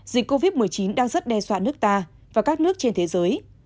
dịch covid một mươi chín đang rất đe dọa nước ta và các nước trên thế giới